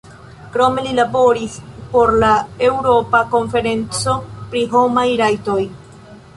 Krome li laboris por la Eŭropa Konferenco pri homaj rajtoj.